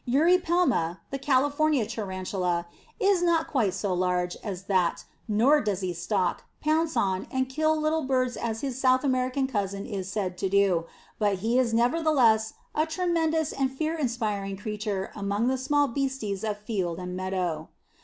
Eurypelma, the California tarantula, is not quite so large as that, nor does he stalk, pounce on and kill little birds as his South American cousin is said to do, but he is nevertheless a tremendous and fear inspiring creature among the small beasties of field and meadow.